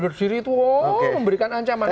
berdiri itu memberikan ancaman